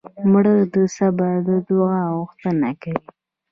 مړه د صبر او دعا غوښتنه کوي